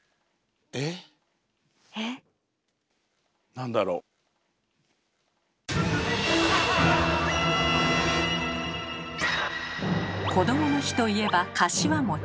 なんだろう⁉こどもの日といえばかしわ。